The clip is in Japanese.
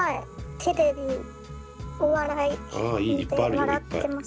テレビお笑い見て笑ってます。